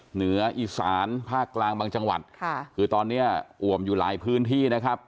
เหนืออีสานภาคกลางบางจังหวัดค่ะคือตอนนี้อ่วมอยู่หลายพื้นที่นะครับ